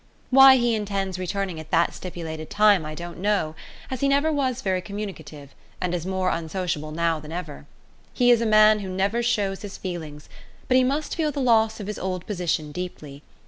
Why he intends returning at that stipulated time I don't know, as he never was very communicative, and is more unsociable than ever now. He is a man who never shows his feelings, but he must feel the loss of his old position deeply.